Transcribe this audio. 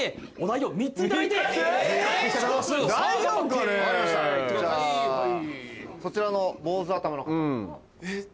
じゃあそちらの坊主頭の方。